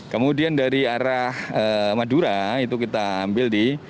kemudian dari arah madura itu kita ambil di